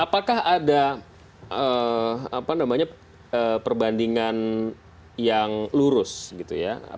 apakah ada perbandingan yang lurus gitu ya